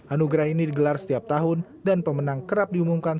anugerah ini digelar setiap tahun dan pemenang kerap diumumkan